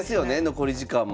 残り時間も。